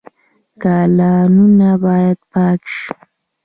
کانالونه باید پاک شي